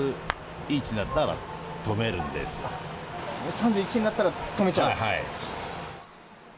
３１になったら止めちゃう。